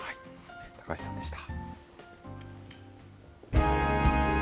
高橋さんでした。